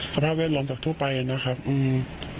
สมภาพแวดล้อมถูกไปอืม